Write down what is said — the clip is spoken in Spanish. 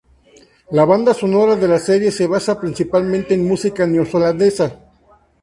La banda sonora de la serie se basa principalmente en música neozelandesa.